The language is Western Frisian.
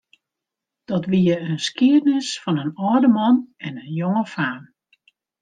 Dat wie in skiednis fan in âlde man en in jonge faam.